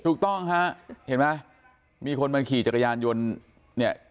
ถูกต้องฮะเห็นไหมมีคนมาขี่จักรยานยนต์เนี่ย